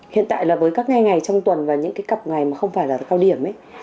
hiện tại với các ngày ngày trong tuần và những cặp ngày không phải là cao điểm